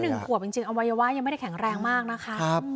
หนึ่งขวบจริงจริงอวัยวะยังไม่ได้แข็งแรงมากนะคะ